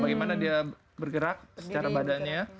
bagaimana dia bergerak secara badannya